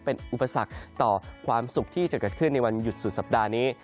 เป็นอุปสรรคต่อความสุขที่จะเกิดขึ้นในวันหยุดสุดสัปดาห์นี้